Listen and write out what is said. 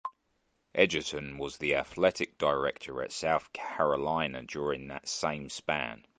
Edgerton was the athletic director at South Carolina during that same span.